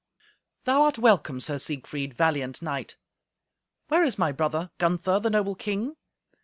"Thou art welcome, Sir Siegfried, valiant knight. Where is my brother Gunther, the noble king?